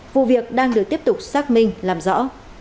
vụ việc đang được tiếp tục xác minh làm rõ